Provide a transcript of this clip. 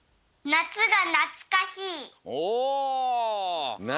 「なつがなつかしい」。